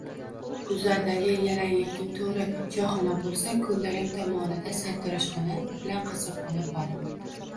Guzardagi yalanglikning to‘ri choyxona bo‘lsa, ko‘ndalang tomonida sartaroshxona bilan qassobxona bor